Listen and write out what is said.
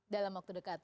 dalam waktu dekat